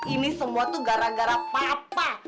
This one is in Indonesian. ini semua tuh gara gara papa